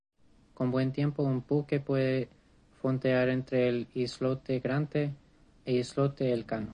Con buen tiempo un buque puede fondear entre el islote Grande e islote Elcano.